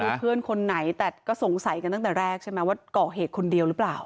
มีเพื่อนคนไหนแต่ก็สงสัยกันตั้งแต่แรกใช่ไหมว่าก่อเหตุคนเดียวหรือเปล่า